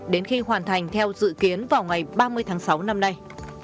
đến khi hoàn thành theo dự kiến vào ngày ba mươi tháng sáu năm nay